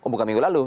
bukan minggu lalu